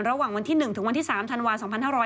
ระหว่างวันที่๑ถึงวันที่๓ธันวา๒๕๖๐